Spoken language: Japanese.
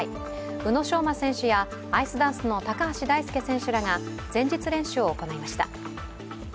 宇野昌磨選手やアイスダンスの高橋大輔選手らが前日練習を行いました。